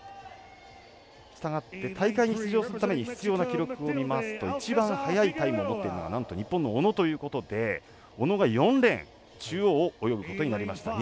したがって大会に出場するために必要な記録を見ますと一番速いタイムを持っているのがなんと日本の小野ということで小野が４レーン中央を泳ぐことになりました。